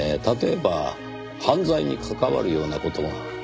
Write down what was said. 例えば犯罪に関わるような事が。